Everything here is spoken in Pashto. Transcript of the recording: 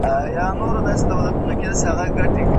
چي د خټو د خدایانو مي سجده نه وه منلې